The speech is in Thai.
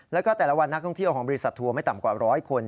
แล้วก็แต่ละวันนักท่องเที่ยวของบริษัททัวร์ไม่ต่ำกว่าร้อยคน